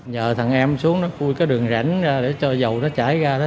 nhờ thằng em xuống đó cuối cái đường rảnh ra để cho dầu nó chảy ra đó